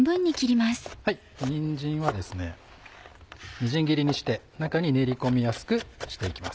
みじん切りにして中に練り込みやすくしていきます。